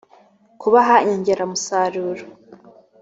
kubaha inyongeramusaruro